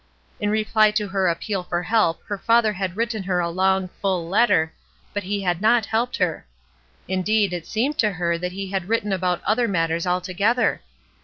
In reply to her appeal for help her father had written her a long, full letter, but he had not helped her. Indeed, it seemed to her that he had written about other matters altogether.